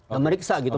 dan meriksa gitu